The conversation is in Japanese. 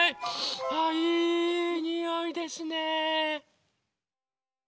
あいいにおいですね。